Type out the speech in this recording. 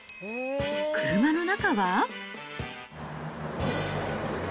車の中は？